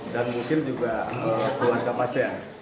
dan mungkin juga keluarga pasien